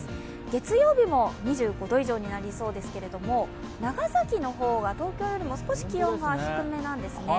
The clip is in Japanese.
月曜日も２５度以上になりそうですが長崎の方は東京よりも少し気温が低めなんですね。